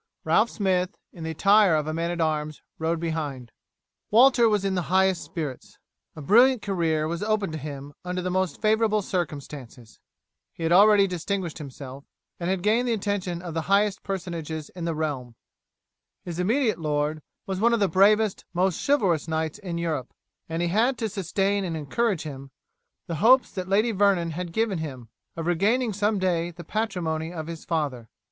Ralph Smith, in the attire of a man at arms, rode behind. Walter was in the highest spirits. A brilliant career was open to him under the most favourable circumstances; he had already distinguished himself, and had gained the attention of the highest personages in the realm, his immediate lord was one of the bravest and most chivalrous knights in Europe, and he had to sustain and encourage him the hopes that Lady Vernon had given him, of regaining some day the patrimony of his father.